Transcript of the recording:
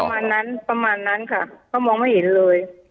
ประมาณนั้นประมาณนั้นค่ะเขามองไม่เห็นเลย